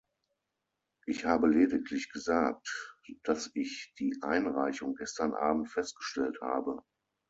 Ich habe lediglich gesagt, dass ich die Einreichung gestern abend festgestellt habe.